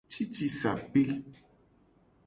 Cicisape.